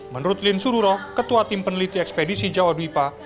menurut lin sururoh ketua tim peneliti ekspedisi jawa duipa